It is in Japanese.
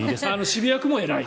渋谷区も偉い。